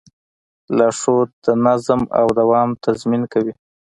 لارښود د نظم او دوام تضمین کوي.